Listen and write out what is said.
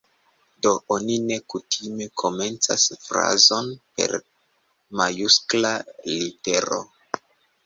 Do, oni ne kutime komencas frazon per majuskla litero.